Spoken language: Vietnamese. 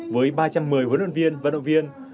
với ba trăm một mươi huấn luyện viên vận động viên